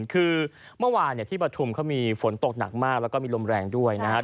คือเมื่อวานที่ปฐุมเขามีฝนตกหนักมากแล้วก็มีลมแรงด้วยนะครับ